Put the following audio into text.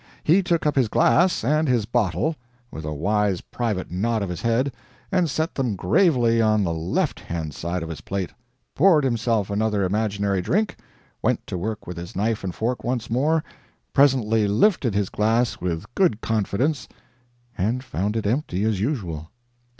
He took up his glass and his bottle, with a wise private nod of his head, and set them gravely on the left hand side of his plate poured himself another imaginary drink went to work with his knife and fork once more presently lifted his glass with good confidence, and found it empty, as usual.